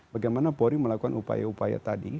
bagaimana polri melakukan upaya upaya tadi